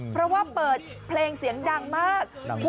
เพราะว่าเปิดเพลงเสียงดังมาก